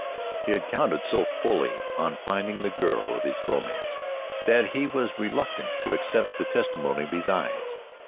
He had counted so fully on finding the girl of his romance that he was reluctant to accept the testimony of his eyes.